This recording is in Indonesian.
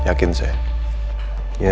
saya yakin om irfan pasti itu sudah